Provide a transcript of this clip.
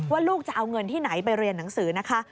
ว่าลูกจะเอาเงินที่ไหนไปเรียนหนังสือนะคะ